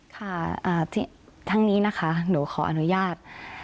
ค่ะทั้งนี้นะคะหนูขออนุญาต